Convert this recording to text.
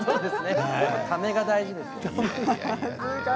ためが大事ですね。